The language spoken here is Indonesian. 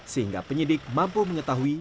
sehingga penyidik mampu mengetahui